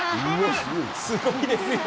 すごいですよね。